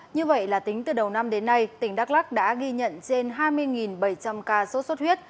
như vậy là tính từ đầu năm đến nay tỉnh đắk lắc đã ghi nhận trên hai mươi bảy trăm linh ca sốt xuất huyết